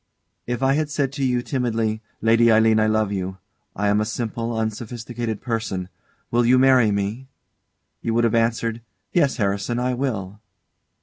If I had said to you, timidly: "Lady Aline, I love you: I am a simple, unsophisticated person; will you marry me?" You would have answered, "Yes, Harrison, I will."